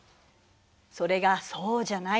それがそうじゃないの。